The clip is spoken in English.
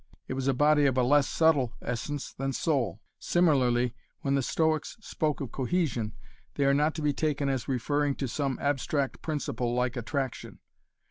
It was a body of a less subtle essence than soul. Similarly, when the Stoics spoke of cohesion, they are not to be taken as referring to some abstract principle like attraction.